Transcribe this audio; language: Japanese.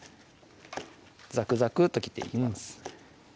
ザクザクと切っていきます